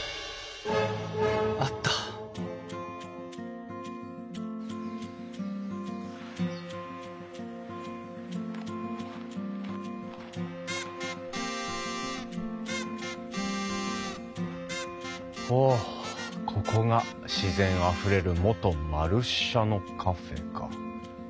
あったおここが「自然あふれる元●舎のカフェ」か。